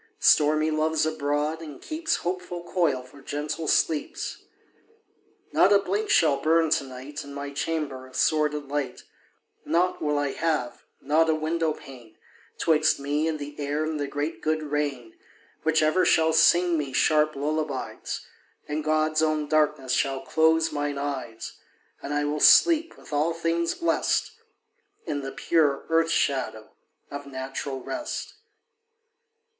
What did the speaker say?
Stormy Love's abroad, and keeps Hopeful coil for gentle sleeps. Not a blink shall burn to night In my chamber, of sordid light; Nought will I have, not a window pane, 'Twixt me and the air and the great good rain, Which ever shall sing me sharp lullabies; And God's own darkness shall close mine eyes; And I will sleep, with all things blest, In the pure earth shadow of natural rest.